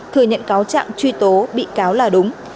thừa nhận cáo trạng truy tố bị cáo là đúng